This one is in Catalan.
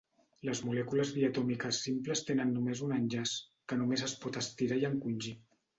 Les molècules diatòmiques simples tenen només un enllaç, que només es pot estirar i encongir.